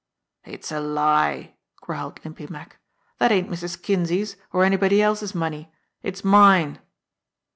"It's a lie!" growled Limpy Mack. "That ain't Mrs. Kinsey's, or anybody else's money. It's mine."